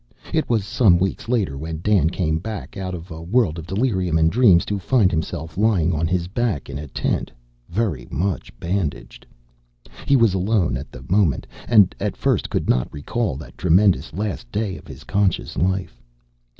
It was some weeks later when Dan came back out of a world of delirium and dreams, to find himself lying on his back in a tent, very much bandaged. He was alone at the moment, and at first could not recall that tremendous last day of his conscious life.